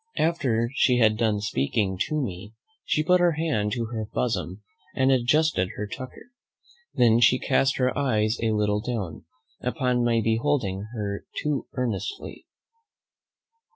After she had done speaking to me, she put her hand to her bosom and adjusted her tucker. Then she cast her eyes a little down, upon my beholding her too earnestly.